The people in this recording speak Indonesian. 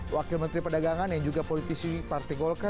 wakil menteri pedagangan yang juga politisi partai golkar